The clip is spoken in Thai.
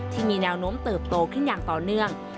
ที่มีแนวโน้มเติบโตขึ้นอย่างต่อเนื่อง